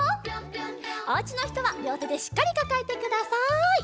おうちのひとはりょうてでしっかりかかえてください。